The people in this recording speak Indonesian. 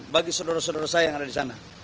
bagi saudara saudara saya yang ada di sana